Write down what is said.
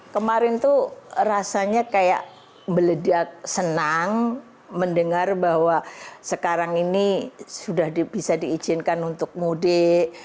kemarin tuh rasanya kayak meledak senang mendengar bahwa sekarang ini sudah bisa diizinkan untuk mudik